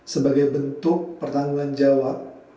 sebagai bentuk pertanggung jawab